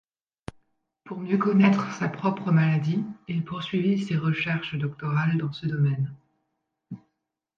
Pour mieux connaître sa propre maladie, il poursuivit ses recherches doctorales dans ce domaine.